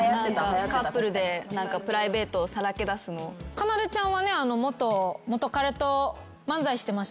かなでちゃんはね。